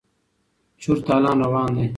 چور تالان روان دی.